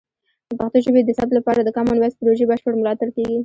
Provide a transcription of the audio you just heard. د پښتو ژبې د ثبت لپاره د کامن وایس پروژې بشپړ ملاتړ کیږي.